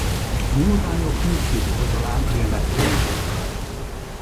A nyúlványok mindkét oldalán élnek polipok.